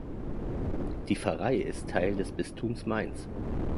Die Pfarrei ist Teil des Bistums Mainz.